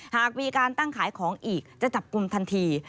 หากมีการตั้งขายของอีกจะจับกลุ่มทันที